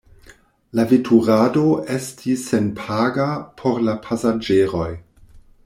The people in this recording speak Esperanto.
La veturado estis senpaga por la pasaĝeroj.